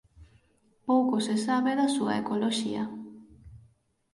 Pouco se sabe da súa ecoloxía.